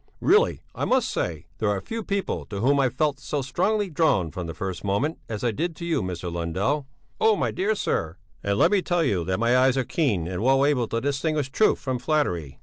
Really, I must say, there are few people to whom I felt so strongly drawn from the first moment, as I did to you, Mr. Lundell." "Oh, my dear sir!" "And let me tell you that my eyes are keen and well able to distinguish truth from flattery."